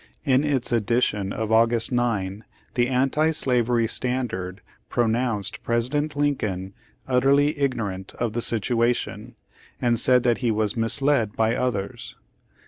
In its edition of August 9, the Anti Slavery Standard pronounced President Lincoln "utterly ignorant" of the situation, and said that he was "misled by others."